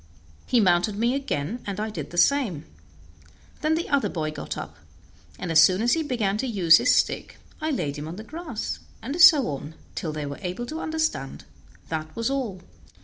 He mounted me again, and I did the same. Then the other boy got up, and as soon as he began to use his stick I laid him on the grass, and so on, till they were able to understand that was all.